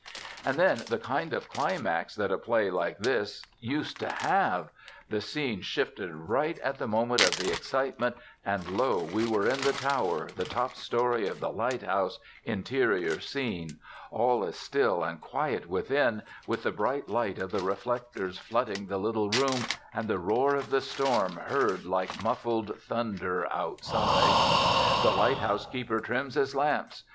And then the kind of climax that a play like this used to have! The scene shifted right at the moment of the excitement, and lo! we are in the tower, the top story of the lighthouse, interior scene. All is still and quiet within, with the bright light of the reflectors flooding the little room, and the roar of the storm heard like muffled thunder outside. The lighthouse keeper trims his lamps.